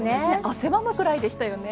汗ばむくらいでしたよね。